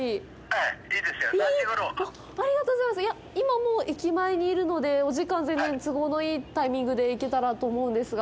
今、もう駅前にいるのでお時間、全然都合のいいタイミングで行けたらと思うんですが。